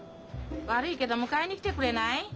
悪いけど迎えに来てくれない？